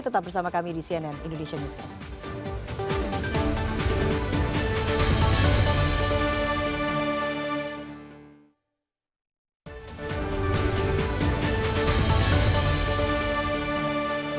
tetap bersama kami di cnn indonesia newscast